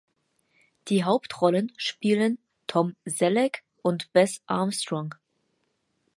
Die Hauptrollen spielen Tom Selleck und Bess Armstrong.